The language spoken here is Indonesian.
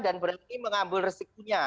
dan berani mengambil resikonya